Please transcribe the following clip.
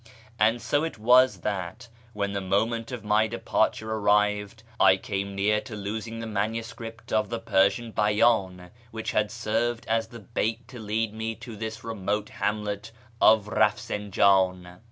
And so it was that, when the moment of my departure arrived, I came near to losing the manuscript of the Persian Beydii which had served as the bait to lead me to this remote hamlet of Eafsinjan.